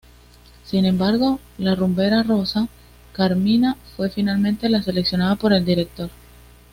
Sin embargo la rumbera Rosa Carmina fue finalmente la seleccionada por el director.